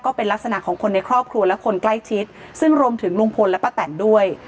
เป็นลักษณะของคนในครอบครัวและคนใกล้ชิดซึ่งรวมถึงลุงพลและป้าแตนด้วย